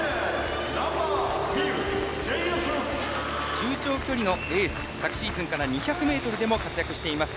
中長距離のエース昨シーズンから２００ｍでも活躍しています